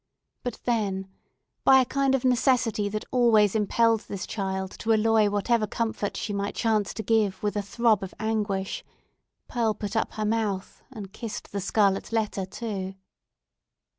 But then—by a kind of necessity that always impelled this child to alloy whatever comfort she might chance to give with a throb of anguish—Pearl put up her mouth and kissed the scarlet letter, too.